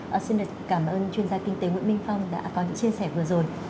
vâng xin cảm ơn chuyên gia kinh tế nguyễn minh phong đã có những chia sẻ vừa rồi